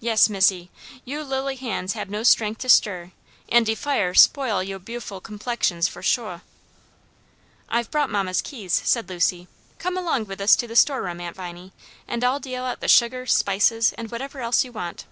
"Yes, missy, you' lily hands no' hab strength to stir, an' de fire spoil yo' buful 'plexions for shuah." "I've brought mamma's keys," said Lucy; "come along with us to the store room, Aunt Viney, and I'll deal out the sugar, spices, and whatever else you want."